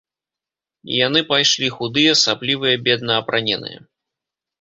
І яны пайшлі, худыя, саплівыя, бедна апраненыя.